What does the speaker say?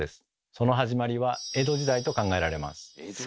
その始まりは江戸時代と考えられます。